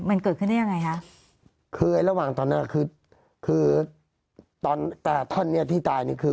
มันเกิดขึ้นได้ยังไงคะคือไอ้ระหว่างตอนนั้นคือคือตอนแต่ท่อนเนี้ยที่ตายนี่คือ